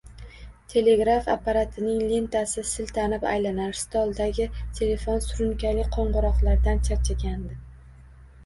Telegraf apparatining lentasi siltanib aylanar, stoldagi telefon surunkali qo`ng`iroqlardan charchagandi